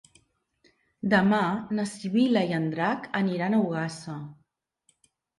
Demà na Sibil·la i en Drac aniran a Ogassa.